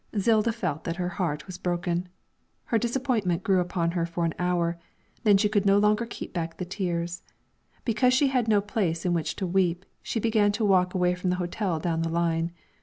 Zilda felt that her heart was broken. Her disappointment grew upon her for an hour, then she could no longer keep back the tears; because she had no place in which to weep, she began to walk away from the hotel down the line.